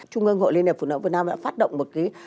trung ương hội liên hiệp phụ nữ việt nam đã phát động một